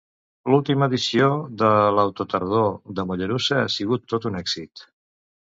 L'última edició de l'Autotardor de Mollerussa ha sigut tot un èxit.